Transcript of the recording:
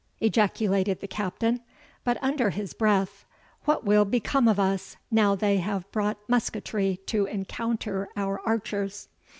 ejaculated the Captain, but under his breath, "what will become of us, now they have brought musketry to encounter our archers?"